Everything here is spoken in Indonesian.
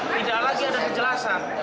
tidak lagi ada kejelasan